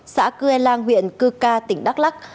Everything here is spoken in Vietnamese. xã cư lang huyện cư ca tỉnh đắk lắc